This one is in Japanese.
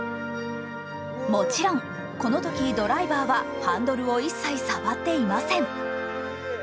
もちろん、このときドライバーはハンドルを一切触っていません。